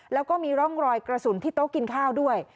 แล้วก็มีร่องรอยกระสุนที่โต๊ะกินข้าวด้วย